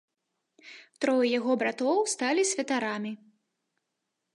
Трое яго братоў сталі святарамі.